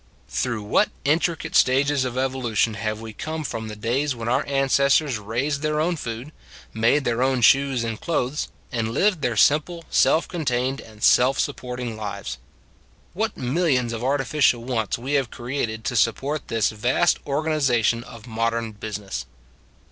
Through what intricate stages of evolution have we come from the days when our ancestors raised their own food, made their own shoes and clothes, and lived their simple, self con tained and self supporting lives! What millions of artificial wants we have created to support this vast organiza tion of modern business